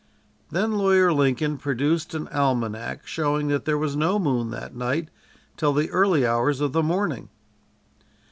Then Lawyer Lincoln produced an almanac showing that there was no moon that night till the early hours of the morning.